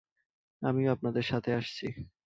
আমিও আপনাদের সাথে আসছি!